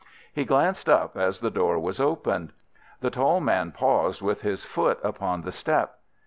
He glanced up as the door was opened. The tall man paused with his foot upon the step.